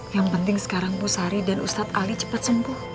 yang penting sekarang bu sari dan ustadz ali cepat sembuh